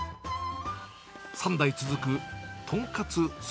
３代続く、とんかつ鈴